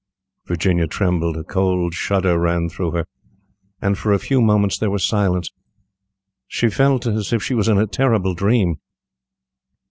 Virginia trembled, a cold shudder ran through her, and for a few moments there was silence. She felt as if she was in a terrible dream.